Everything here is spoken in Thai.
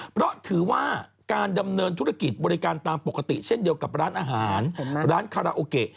เพราะถือว่าการดำเนินธุรกิจบริการตามปกติเช่นเดียวกับร้านอาหารร้านคาราโอเกะ